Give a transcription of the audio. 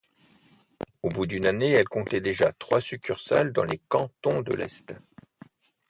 Au bout d'une année, elle comptait déjà trois succursales dans les Cantons de l'Est.